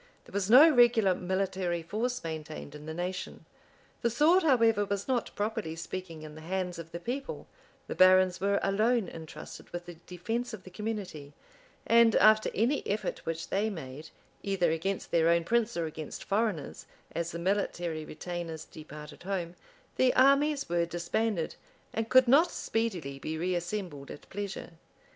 There was no regular military force maintained in the nation: the sword, however, was not, properly speaking, in the hands of the people; the barons were alone intrusted with the defence of the community; and after any effort which they made, either against their own prince or against foreigners, as the military retainers departed home, the armies were disbanded, and could not speedily be reassembled at pleasure.